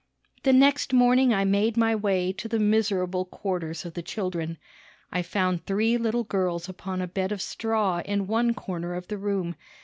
The next morning I made my way to the miserable quarters of the children. I found three little girls upon a bed of straw in one corner of the room.